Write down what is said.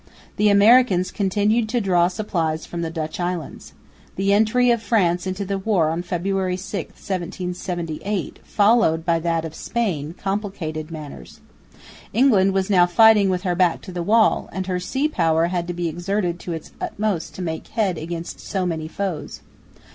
The Americans continued to draw supplies from the Dutch islands. The entry of France into the war on February 6, 1778, followed by that of Spain, complicated matters. England was now fighting with her back to the wall; and her sea power had to be exerted to its utmost to make head against so many foes.